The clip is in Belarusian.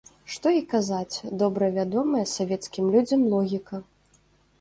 Што і казаць, добра вядомая савецкім людзям логіка.